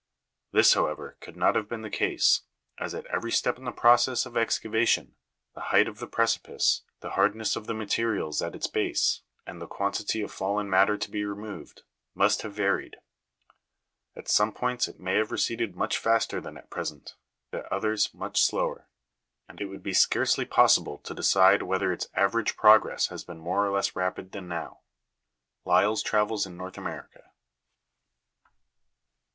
This, however, could not have been the case, as at every step in the process of excavation, the height of the precipice, the hardness of the materials at its 9. What is meant by erosion ? What are the effects of erosion ? 128 ACTION OF RUNNING WATERS. base, and the quantity of fallen matter to be removed, must have varied. At some points it may have receded much faster than at present, at others much slower ; and it would be scarcely possible to decide whether its ave rage progress has been more or less rapid than now." LyelVs Travels in North America.